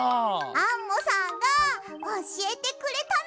アンモさんがおしえてくれたの！